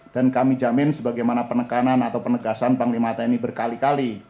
dan kami jamin sebagaimana penekanan atau penegasan panglima tni berkali kali